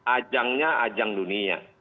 ajangnya ajang dunia